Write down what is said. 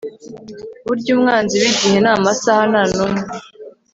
Burya umwanzi wigihe namasaha ntanumwe